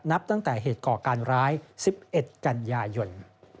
นับตั้งแต่เหตุก่อการร้าย๑๑กันยายน